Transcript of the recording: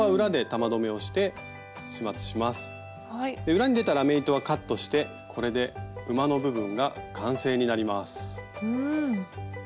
裏に出たラメ糸はカットしてこれで馬の部分が完成になります。